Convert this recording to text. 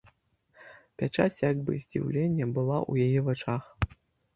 Пячаць як бы здзіўлення была ў яе вачах.